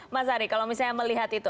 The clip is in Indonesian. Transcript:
mas ari kalau misalnya melihat itu